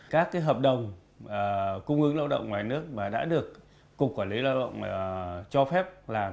các hợp đồng cung ứng lao động ngoài nước mà đã được cục quản lý lao động cho phép làm